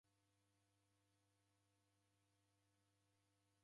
Kunikabie lumalwakenyi.